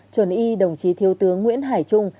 chuẩn y đồng chí thiếu tướng nguyễn hải trung